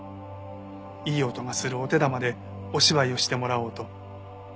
いい音がするお手玉でお芝居をしてもらおうと。